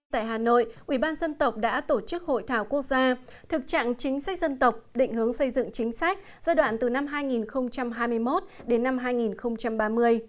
tại hà nội ubnd đã tổ chức hội thảo quốc gia thực trạng chính sách dân tộc định hướng xây dựng chính sách giai đoạn từ năm hai nghìn hai mươi một đến năm hai nghìn ba mươi